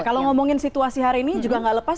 kalau ngomongin situasi hari ini juga nggak lepas